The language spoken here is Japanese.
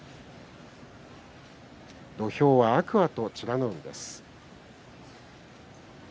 土俵は天空海と美ノ海です。